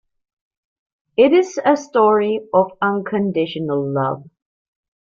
It is a story of unconditional love.